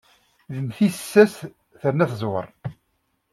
D mm tissas terna teẓwer.